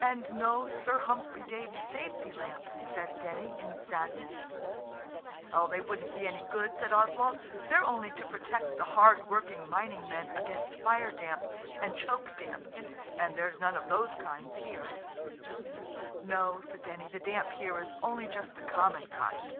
"And no Sir Humphry Davy safety lamps," said Denny in sadness. "They wouldn't be any good," said Oswald; "they're only to protect the hard working mining men against fire damp and choke damp. And there's none of those kinds here." "No," said Denny, "the damp here is only just the common kind."